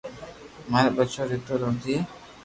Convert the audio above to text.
ماري ٻچو ري تو روزي ھي